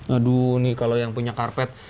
aduh nih kalau yang punya karpet